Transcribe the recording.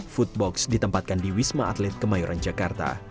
food box ditempatkan di wisma atlet kemayoran jakarta